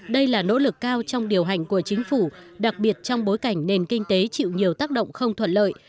đây là nỗ lực cao trong điều hành của chính phủ đặc biệt trong bối cảnh nền kinh tế chịu nhiều tác động không thuận lợi